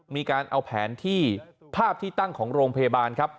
มีการเอาแผนที่ภาพที่ตั้งของโรงพยาบาลครับ